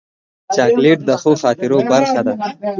چاکلېټ د ښو خاطرو برخه ده.